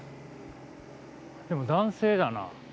でも男性だな。